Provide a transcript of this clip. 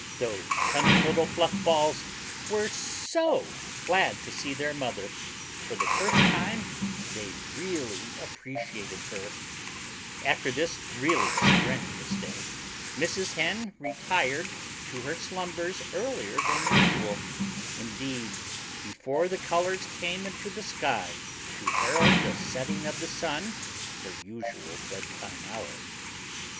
Those cunning little fluff balls were so glad to see their mother. For the first time, they really appreciated her. After this really strenuous day Mrs. Hen retired to her slumbers earlier than usual indeed, before the colors came into the sky to herald the setting of the sun, her usual bedtime hour.